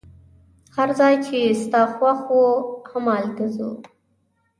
هر ځای چي ستا خوښ وو، همالته ځو.